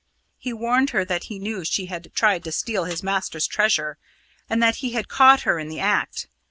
He warned her that he knew she had tried to steal his master's treasure, and that he had caught her in the act.